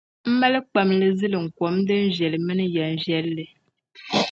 M mali kpamili ziliŋkom din viɛla mini yɛm maŋli.